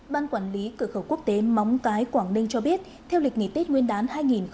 ban quản lý cửa khẩu quốc tế móng cái quảng ninh cho biết theo lịch nghỉ tết nguyên đán hai nghìn hai mươi